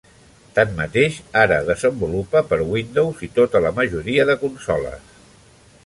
Tanmateix, ara desenvolupa per Windows i tota la majoria de consoles.